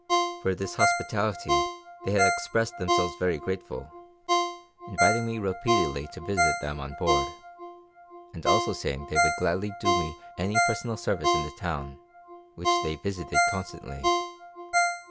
For this hospitality they had expressed themselves very grateful, inviting me repeatedly to visit them on board, and also saying that they would gladly do me any personal service in the town, which they visited constantly.